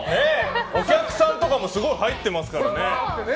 お客さんとかもすごい入ってますからね。